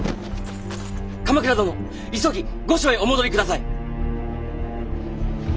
鎌倉殿急ぎ御所へお戻りください。